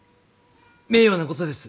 名誉なことです。